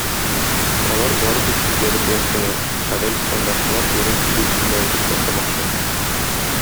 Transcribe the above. Алар бары тик үзләре теләп кенә "хәләл" стандартына туры килү-килмәвен исбатламакчы.